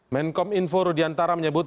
menkom info rudiantara menyebut